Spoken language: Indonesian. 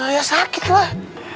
ya sakit lah